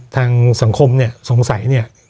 ทางสังคมเนี่ยสงสัยเนี่ย